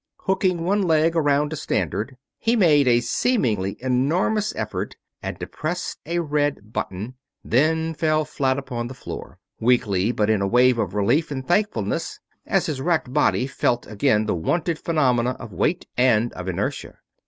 Hooking one leg around a standard, he made a seemingly enormous effort and depressed a red button; then fell flat upon the floor, weakly but in a wave of relief and thankfulness, as his racked body felt again the wonted phenomena of weight and of inertia.